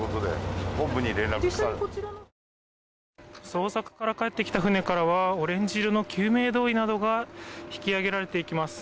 捜索から帰ってきた船からはオレンジ色の救命胴衣などが引き上げられていきます。